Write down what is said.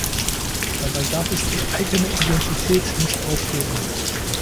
Dabei darf es die eigene Identität nicht aufgeben.